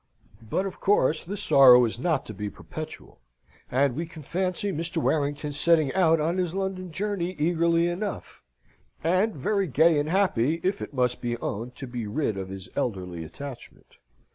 But, of course, this sorrow was not to be perpetual; and we can fancy Mr. Warrington setting out on his London journey eagerly enough, and very gay and happy, if it must be owned, to be rid of his elderly attachment.